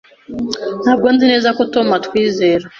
Ntabwo nzi neza ko Tom atwizera.